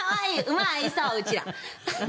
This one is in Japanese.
馬合いそううちら。